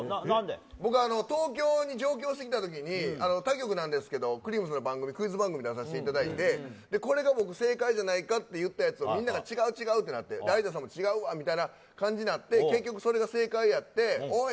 僕、東京に上京してきた時に他局なんですけどくりぃむさんのクイズ番組に出させていただいてこれが僕、正解じゃないかって言ったやつをみんなが違う違うってなって有田さんも違うってなって結局、それが正解になっておい！